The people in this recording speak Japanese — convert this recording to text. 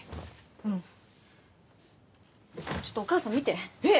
うんちょっとお母さん見てえっ？